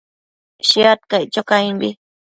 Shiad caic cho caimbi